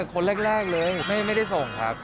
ผมกดตั้งแต่คนแรกเลยไม่ได้ส่งครับ